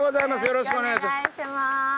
よろしくお願いします。